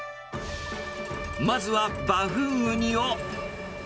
まずはバフンウニを。